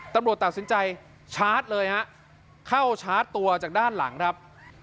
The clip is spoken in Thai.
ตำรวจตัดสินใจชาร์จเลยฮะเข้าชาร์จตัวจากด้านหลังครับ